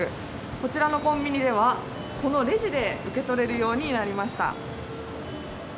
こちらのコンビニでは、このレジで受け取れるようになりました。